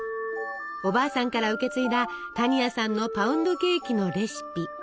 おばあさんから受け継いだ多仁亜さんのパウンドケーキのレシピ。